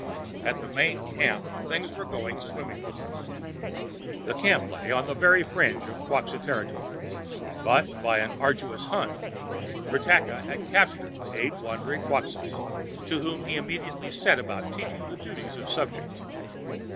At the main camp, things were going swimmingly. The camp lay on the very fringe of the Quxa territory, but, by an arduous hunt, Ratakka had captured eight wandering Quxas to whom he immediately set about teaching the duties of subjects.